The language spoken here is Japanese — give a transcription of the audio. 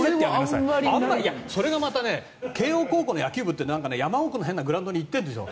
それがまた慶応高校の野球部って山奥の変なグラウンドに行ってるんですよ。